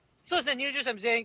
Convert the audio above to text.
入場者全員。